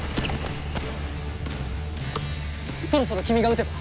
そろそろ君が打てば？